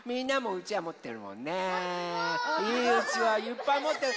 うちわいっぱいもってる。